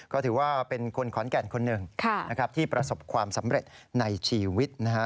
ก็ถือว่าเป็นคนขอนแก่นคนหนึ่งนะครับที่ประสบความสำเร็จในชีวิตนะฮะ